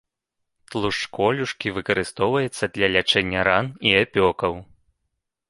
Тлушч колюшкі выкарыстоўваецца для лячэння ран і апёкаў.